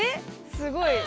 すごい。